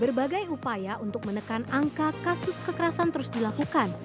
berbagai upaya untuk menekan angka kasus kekerasan terus dilakukan